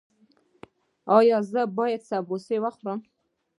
ایا زه باید سموسه وخورم؟